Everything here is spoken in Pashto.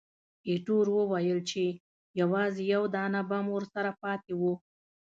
ایټور وویل چې، یوازې یو دانه بم ورسره پاتې وو.